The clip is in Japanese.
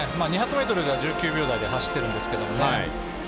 ２００ｍでは１９秒台で走ってるんですけどね。